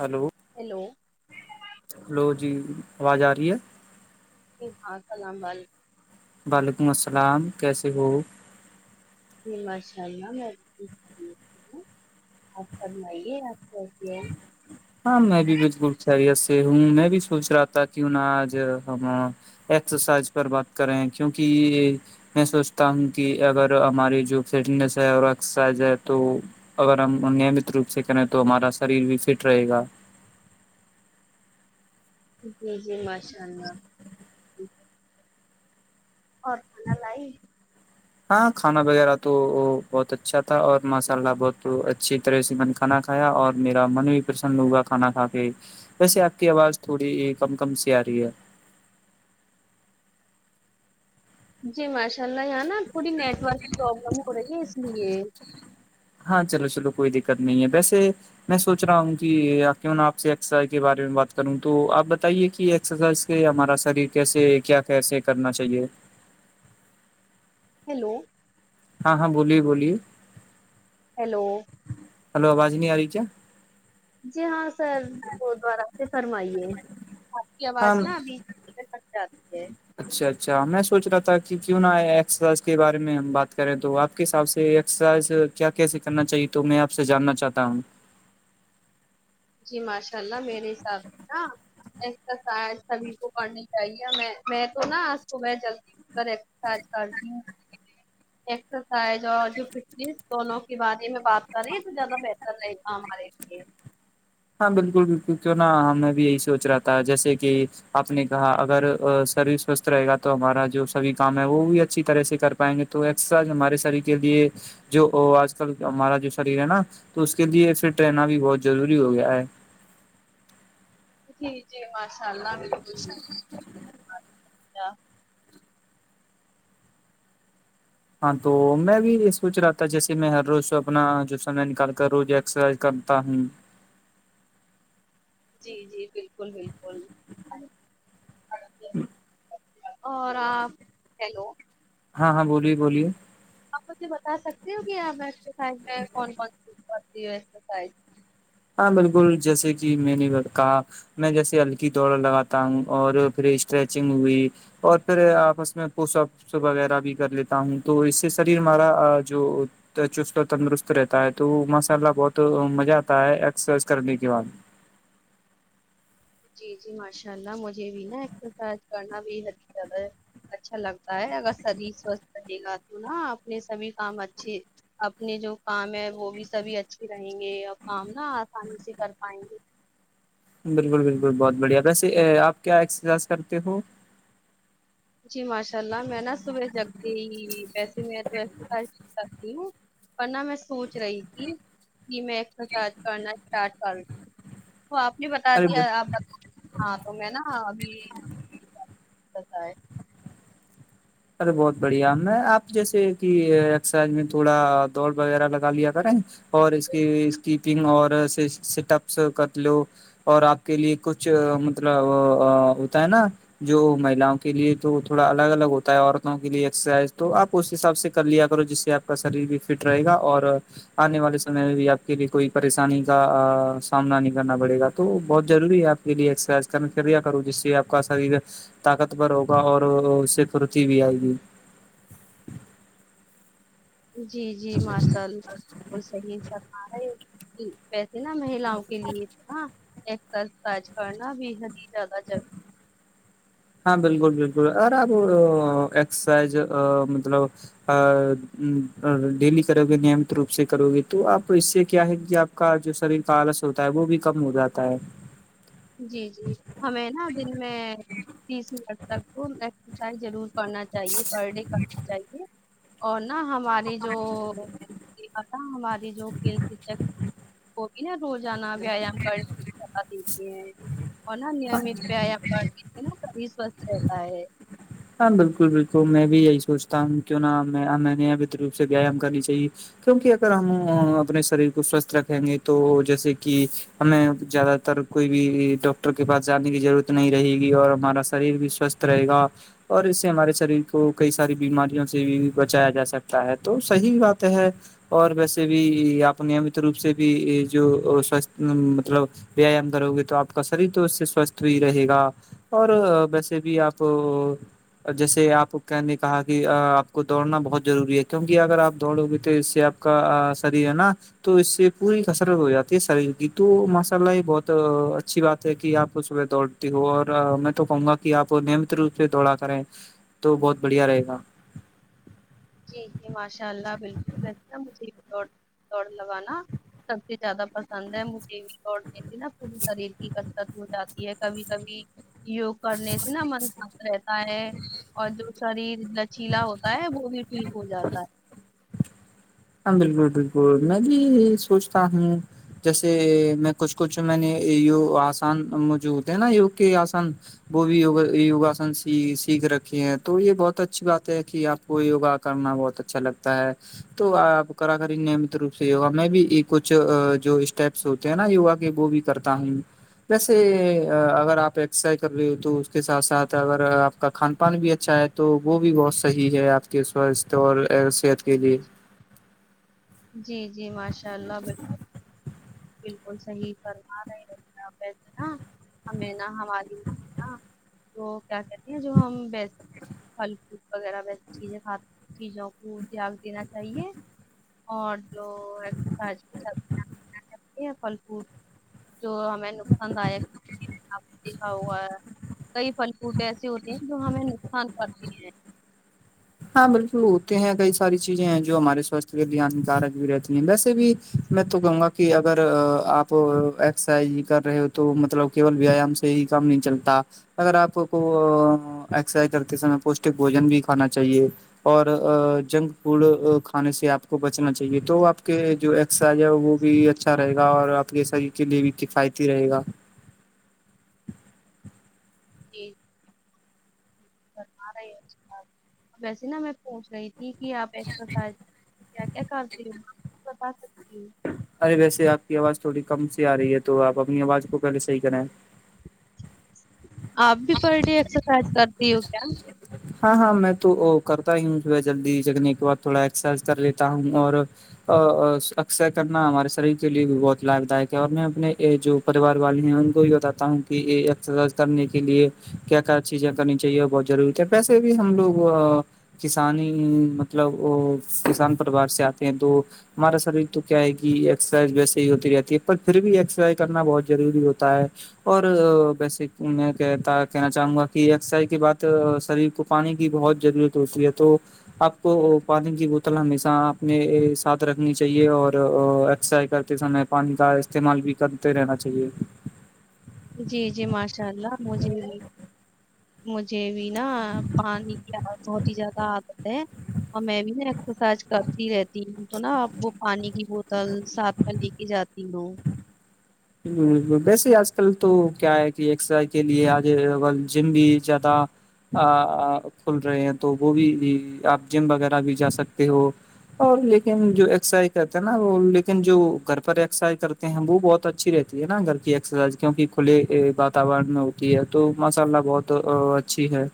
hello hello hello جی آواز آ رہی ہے جی ہاں سلام ب [unintelligible] وعلیکم السلام کیسے ہو ج ماشاء اللہ میں سے آپ ف [unintelligible] رمائیے آپ کے ہاں میں بھی بالکل خیریت سے ہوں میں بھی سوچ رہا تھا کہ آج ہم ایکسرسائز پر بات کر رہے ہیں کیونکہ میں سوچتا ہوں کہ اگر ہماری جو فٹنیس ہے اور ایکسرسائز ہے تو اگر ہم نیمت روپ سے کریں تو ہمارا شریر بھی فٹ رہے گا جی جی ماشاء اللہ اور کھانا لائی ہاں کھانا وغیرہ تو بہت اچھا تھا اور ماساللہ بہت اچھی طرح سے کھا کھایا اور میرا من بھی پرسن ہوا کھانا کھا کے ویسے آپ کی آواز تھوڑی کم کم سی آ رہی ہے جی ماشاء اللہ یہ نا تھوڑی نیٹ ورک کی پرابلم ہو رہی ہے اس لیے ہاں چلو چلو کوئی دقت نہیں ہے ویسے میں سوچ رہا ہوں کہ کیوں آپ سےسا کے بارے میں بات کروں تو آپ بتائیے کہ رائز ہمارا شریر کیسے کیا کیسے کرنا چاہیے ہیلو ہاں ہاں بولیے بولیے ہیلو [unintelligible] ہلو آجاز نہیں آ رہاریی جی ہاں سر گ دوبارہ سے فرمائیے آپ کی آواز ہاں نا ابھی سک ج آتی ہے [unintelligible] اچھا اچھا میں سوچ رہا تھا کہ کیوں نہز کے بارے میں ہم بات کریں تو آپ کے حساب سےرائز کیا کیسے کرنا چاہیے تو میں آپ سے جاننا چاہتا ہوں جی ماشاء اللہ میرے حساب سے نا ایکسرسائز سبھی کو کرنی چاہیے میں میں تو نہا آج کو میں جلدی [unintelligible] کر تات کال [unintelligible] ایکسرسائز اور جو فٹنیس دونوں کے بارے میں بات کریں تو زیادہ بہتر رہے گا ہمارے لیے ہاں بالکل بالکل کیوں نہا ہمیں بھی یہی سوچ رہا تھا جیسے کہ آپ نے کہا اگر سرو سوستھ رہے گا تو ہمارا جو سبھی کام ہے وہ بھی اچھی طرح سے کر پائیں گے تو ایکسرسائ ہمارے شریر کے لیے جو آج کل ہمارا جو شریر ہے نا تو اس کے لیے فٹ رہنا بھی بہت ضروری ہو گیا ہے جی جی ماشاء اللہ بالکل [unintelligible] [inaudible] [unintelligible] ہاں تو میں بھی یہ سوچ رہا تھا جیسے میں ہر روز اپنا جو سمے نکال کر رو ایکسرسائز کر [unintelligible] ت ہوں جی جی بالکل بالکل اور آپ ہیلو [unintelligible] ہاں ہاں بولیے بولیے [unintelligible] آپ مجھے بتا سکتے ہو کہ ایکسرسائز میں کون کون چیز کرتی ہوں ایکسرسائز ہاں بالکل جیسے کہ میں نے کہا میں جیسے ہلکی دوڑ لگاتا ہوں اور پھر اسٹریچنگ ہوئی اور پھر آپس میں پوشپ وغیرہ بھی کر لیتا ہوں تو اس سے شریر ہمارا جو تو چست تندرست رہتا ہے تو ماشاء اللہ بہت مزہ آتا ہے ایکسرسائز کرنے کے بعد جی جی ماشاء اللہ مجھے بھی نا ایکسرسائز کرنا بھی اچا ہے اچھا لگتا ہے اگر شریر سوستھ رہے گا تو نا اپنے سبھی کام اچھے اپنے جو کام ہے وہ بھی سبھی اچھھی رہیں گے اور کام نا آسانی سے کر پائیں گے بالکل بالکل بہت بڑھیا ویسے آپ کیا ایکسرسائز کرتے ہو جی ماشاء اللہ میں نا صبح جگتی ہی ویسے میں تورسائ کرتی ہوں ورنہ میں سوچ رہی تھی کہ میں ایکسرسائز کرنا اسٹارٹ کر تو آپ نے بتا ارے دیا آپ ب ہاں تو میں نا ابھیتا ہے ارے بہت بڑھیا میں آپ جیسے کہ ایکسرسائز میں تھوڑا دوڑ وغیرہ لگا لیا کریں اور اس کی کیپنگ اور سٹ اپس کر لو اور آپ کے لیے کچھ مطلب ہوتا ہے نا جو مہیلاؤں کے لیے تو تھوڑا الگ الگ ہوتا عورتوں کے لیے ایکسرسائز تو آپ اس حساب سے کر لیا کرو جس سے آپ کا شریر بھی فٹ رہے گا اور آنے والے سمے میں بھی آپ کے لیے کوئی پریشانی کا سامنا نہیں کرنا پڑے گا تو بہت ضروری ہے آپ لیےرائز کر ف کروں جس سے آپ کا شریر طاقت بور ہوگا اور اس خروچ بھی آئے گی جی جی ماشاء اللہ بالکل صحیح س ہے پیسے نہا مہن مں کے لیے ایکج کرنا بے حد ہی زیادہور ہاں بالکل بالکل ا آب ایکسرسائز مطلب ڈیلی کرو گے نمت روپ سے کرو گے تو آپ اس سے کیا ہے کہ آپ کا جو شریر کا آلس ہوتا ہے وہ بھی کم ہو جاتا ہے جی جی ہمیں نا دن میں تیس منچ تک ضرور کرنا چاہیے پر ڈے کرنا چاہیے اور نا ہماری جو ا ہماراری جو کل شک وہ بھی ن روزانہ ویایام کرنے اور ن نیمت پیا پر نا سبھی سوستھ رہتا ہے ہاں بالکل بالکل میں بھی یہی سوچتا ہوں کیوں نہ میں نے روپ سے ویام کرنی چاہیے کیونکہ اگر ہم اپنے شریر کو سوستھ رکھیں گے تو جیسے کہ ہمیں زیادہ تر کوئی بھی ڈاکٹر کے پاس جانے کی ضرورت نہیں رہے گی اور ہمارا شریر بھی سوستھ رہے گا اور اس سے ہمارے شریر کو کئی ساری بیماریوں سے بھی بچایا جا سکتا ہے تو صحیح بات ہے اور ویسے بھی آپ نیمت روپ سے بھی جو مطلب ویایام کرو گے تو آپ کا شریر تو اس سے سوستھ بھی رہے گا اور ویسے بھی آپ جیسے آپ کہ نے کہا کہ آپ کو دوڑنا بہت ضروری ہے کیونکہ اگر آپ دوڑو گے تو اس سے آپ سری ہے نا تو اس سے پوری کسرت ہو جاتی ہے شریر کی تو ماشاء اللہ یہ بہت اچھی بات ہے کہ آپ کو صبح دوڑ اور میں تو کہوں گا کہ آپ نیمت روپ سے دوڑا کریں تو بہت بڑھیا رہے گا جی جی ماشاء اللہ بالکل بہتر ہے مجھے دو دوڑ لگانا سب سے زیادہ پسند ہے مجھے بھی دوڑ دیتی نا پوری شریر کی کسرت ہو جاتی ہے کبھی کبھی یوگ کرنے سے نا من شانت رہتا ہے اور جو شریر نچیلا ہوتا ہے وہ بھی ٹھیک ہو جاتا ہے ہاں بالکل بالکل میں بھی سوچتا ہوں جیسے میں کچھ کچھ میں نے یو آسان مو جو ہوتے ہیں نا یوگ کے آسان وہ بھیگا یوگاسن سیکھ رکھے ہیں تو یہ بہت اچھی بات ہے کہ آپ کو یوگا کرنا بہت اچھا لگتا ہے تو آپ کرا کری نیمت روپ سےگا میں بھی کچھ جو اسٹیپس کہ نا یوا کہ وہ بھی کرتا ہی جیسے اگر آپ ایکسرسائز کر رہے ہو تو اس کے ساتھ ساتھ اگر آپ کا کھان پان بھی اچھا ہے تو وہ بھی بہت صحیح ہے آپ کے سواستھ اور صحت کے لیے جی جی ماشاء اللہ بالکل بالکل صحیح فرما رہےسے نا ہمیں نہا ہماری تو کیا کہتے ہیں جو ہم بیس پھل فوٹ وغیرہ ویسی چیزیں کھات چیزوں کو تیاگ دینا چاہیے اور جو سج کی ج ہیں یہ پھل فوٹ جو ہمیں نقصان داک ہے دیکھا ہوا ہے کئی پل فوٹ ایسی ہوتی ہیں جو ہمیں نقصان کرتی ہیں ہاں بالکل ہوتے ہیں کئی ساری چیزیں ہیں جو ہمارے ساستھ کے لیے ہانیکارک بھی رہتی ہیں ویسے بھی میں تو کہوں گا کہ اگر آپ ایکسرسائز کر رہے ہو تو مطلب کیول ویایام سے ہی کام نہیں چلتا اگر آپ کو ایکسرسائز کرتے سمئے پوشٹک بوجن بھی کھانا چاہیے اور جنک فوڈ کھانے سے آپ کو بچنا چاہیے تو آپ کے جو صحت جو ہے وہ بھی اچھا رہے گا اور آپ کے شریر کے لیے بھی کفایتی رہے گا جی رہی ویسے نا میں پوچ رہی تھی آپ ایکسرسائز کیا کیا کرتے ہو بتا سکتی ہ ارے ویسے آپ کی آواز تھوڑی کم سی آ رہی ہے تو آپ اپنی آواز کو پہلے صحیح کریں آپ بھی پر ڈے ایکسرسائز کرتی ہو کیا ہاں ہاں میں تو کرتا ہی ہوں تھا جلدی جگنے کے بعد تھوڑا ایکسرسائز کر لیتا ہوں اور اکثر کرنا ہمارے شریر کے لیے بھی بہت لابھ دائیک ہے اور میں اپنے جو پریوار والے ہیں ان کو بھی بتاتا ہوں کہ یہ ایکسرسائز کرنے کے لیے کیا کیا چیزیں کرنی چاہیے اور بہت ضروری کی پیسے بھی ہم لوگ کسان ہی مطلب وہ کسان پروار سے آتے ہیں تو ہمارا شریر تو کیا ہے کہ ایکسرسائز ویسے ہی ہوتی رہتی ہے پر پھر بھی ایکسرسائز کرنا بہت ضروری ہوتا ہے اور ویسے میں کہتا کہنا چاہوں گا کہ اسائی کی بات شریر کو پانی کی بہت ضرورت ہوتی ہے تو آپ کو پانی کی بوتل ہمیشہ آپنے ساتھ رکھنی چاہیے اوراکسرسیز سمے پانی کا استعمال بھی کرتے رہنا چاہیے جی جی ماشاء اللہ مجھے مجھے بھی نا پانی کی بہت ہی زیادہ عادت ہے اور میں بھی نا ایکسرسائز کرتی رہتی ہوں تو نا اب وہ پانی کی بوتل تل سات میںں لے کے جاتی ہوں ویسے آج کل تو کیا ہے کہ ایکرسائز کے لیے آج جم بھی زیادہ کھل رہے ہیں تو وہ بھی آپ جم وغیرہ بھی جا سکتے ہو اور لیکن جو ایکسرسائز کرتے ہیں نا وہ لیکن جو گھر پر ایکسرسائز کرتے ہیں وہ بہت اچھا اچھی رہتی ہے نا گھر کی ایکسرسائز کیونکہ کھلے واتاورن میں ہوتی ہے تو ماشاء اللہ بہت اچی ہے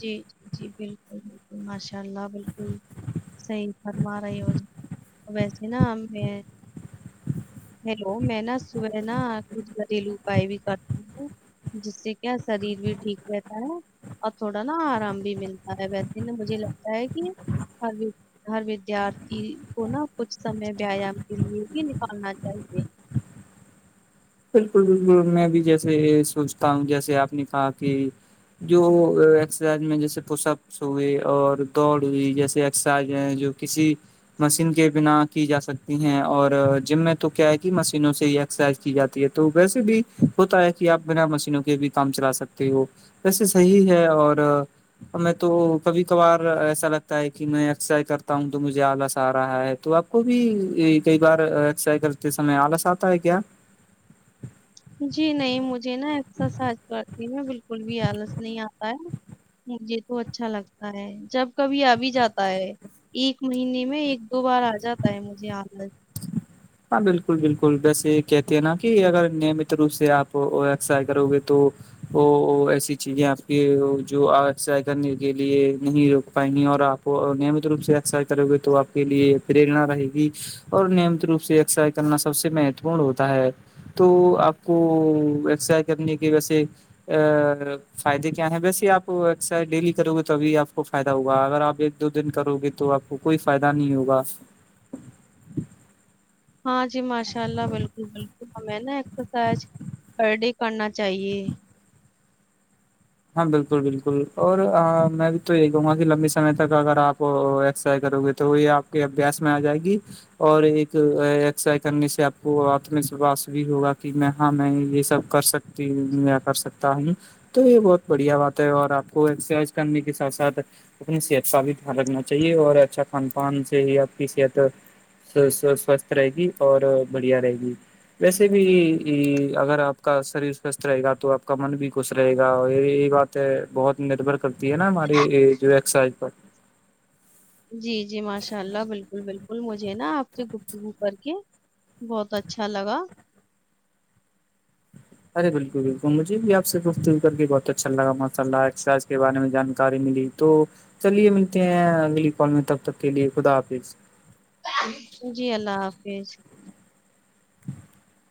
جی جی جی بالکل بالکل ماشاء اللہ بالکل صحیح فرما رہے جی ہو ویسے نا ہم میں ہیلو میں نا صبع نا کچھ گھریلو اپائے بھی کرتی ہوں جس سے کیا شریر بھی ٹھیک رہتا ہے اور تھوڑا نا آرام بھی ملتا ہے ویسے مجھے لگتا ہے کہ ابھی ہر ودارتھی کو نا کچھ سمے ویایام کے لیے بھی نکالنا چاہیے بالکل بالکل میں بھی جیسے سوچتا ہوں جیسے آپ نے کہا کہ جو ایکسرسائز میں جیسے پشپ ہوئے اور دوڑ ہوئی جیسے ایکسرسائز ہیں جو کسی مشین کے بنا کی جا سکتی ہیں اور جم میں تو کیا ہے کہ مشینوں سے ہی ایکسرسائز کی جاتی تو ویسے بھی ہوتا ہے کہ آپ بنا مشینوں کے بھی کام چلا سکتے ہو ویسے صحی ہے اور میں تو کبھی کبار ایسا لگتا ہے کہ میں اکسرائی کرتا ہوں تو مجھے آلس آ رہا ہے تو اب کو بھی کئی باراکسرسز کرتے سمے آلس آتا ہے کیا جی نہیں مجھے نا ایکسرسائج کرتی میں بالکل بھی آلس نہیں آتا ہے مجھے تو اچھا لگتا ہے جب کبھی ابھی جاتا ہے ایک مہینے میں ایک دو بار آ جاتا ہے مجھے آلس ہاں بالکل بالکل ویسے کہتے ہیں نا کہ اگر نیمت روپ سے آپ اکسرسیز کرو گے تو وہ ایسی چیزیں آپ کی جو اکسرسز کرنے کے لیے نہیں روک پائیں گی اور آپ نمت روپ سےاکسرسز کرو گے تو آپ کے لیے پریرا رہے گی اور نیمت روپ سے اکزرسائز کرنا سب سے مہتوپورن ہوتا ہے تو آپ کو اکزرسائز کرنے کے ویسے فائدے کیا ہیں ویسے آپ اکزرسائز ڈیلی کرو گے تو ابھی آپ کو فائدہ ہوگا اگر آپ ایک دو دن کرو گے تو آپ کو کوئی فائدہ نہیں ہوگا ہاں جی ماشاء اللہ بالکل بالکل ہمیں نا ایکسرسائز پر ڈے کرنا چاہیے ہاں بالکل بالکل اور میں بھی تو یہی کہوں گا کہ لمبی سمے تک اگر آپ ایکسرسائز کرو گے تو تو یہ آپ کے ابیاس میں آ جائے گی اور ایک اکسرسیز کرنے سے آپ کو آتم وشواس بھی ہوگا کہ میں ہاں میں یہ سب کر سکتا میں کر سکتا ہوں تو یہ بہت بڑھیا بات ہے اور آپ کو ایکرسائز کرنے کے ساتھ ساتھ اپنی صحت کا بھی دھیان رکھنا چاہیے اور اچھا کھان پان سے ہی آپ کی صحت صو سوستھ رہے گی اور بڑھیا رہے گی ویسے بھی اگر آپ کا شریر سوستھ رہے گا تو آپ کا من بھی خوش رہے گا اور یہ بات ہے بہت نربھر کرتی ہے نا ہماری جو ایکزرسائز پر جی جی ماشاء اللہ بالکل بالکل مجھے نا آپ سے وہ کر کے بہت اچھا لگا ارے بالکل بالکل مجھے بھی آپ سے گفتگو کر کے بہت اچھا لگا ماشاء اللہ اکسرسائز کے بارے میں جانکاری ملی تو چلیے ملتے ہیں اگلی کال میں تب تک کے لیے خدا حافظ جی اللہ حافظ [unintelligible]